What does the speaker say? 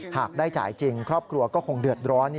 หากได้จ่ายจริงครอบครัวก็คงเดือดร้อน